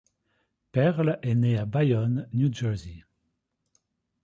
Perle est né à Bayonne, New Jersey.